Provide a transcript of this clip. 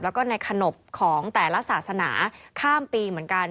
แล้วก็ในขนบของแต่ละศาสนาข้ามปีเหมือนกัน